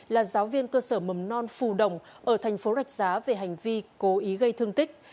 là giáo viên cơ sở mầm non phù đồng ở thành phố rạch giá về hành vi cố ý gây thương tích